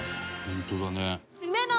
「本当だね」